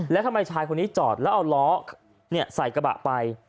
แล้วทำไมชายคนนี้จอดแล้วเอาล้อใส่กระบะไป